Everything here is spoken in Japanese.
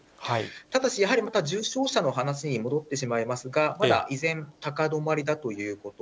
ただし、やはりまた重症者数の話に戻ってしまいますが、まだ依然、高止まりだということ。